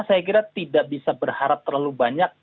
saya kira tidak bisa berharap terlalu banyak